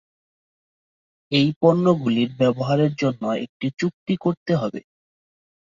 এই পণ্যগুলির ব্যবহারের জন্য একটি চুক্তি করতে হবে।